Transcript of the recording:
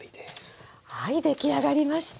はい出来上がりました！